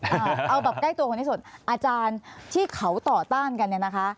เอาแบบใกล้ตัวคนที่สุดอาจารย์ที่เขาต่อต้านกันเนี่ยนะคะ